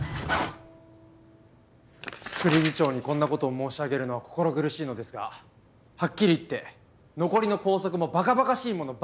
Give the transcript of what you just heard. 副理事長にこんな事を申し上げるのは心苦しいのですがはっきり言って残りの校則も馬鹿馬鹿しいものばかりです。